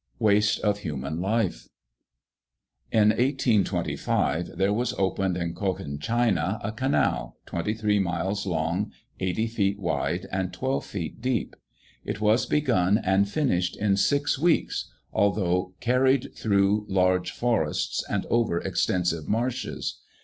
WASTE OF HUMAN LIFE. In 1825, there was opened in Cochin China a canal, 23 miles long, 80 feet wide, and 12 feet deep. It was begun and finished in six weeks, although carried through large forests and over extensive marshes.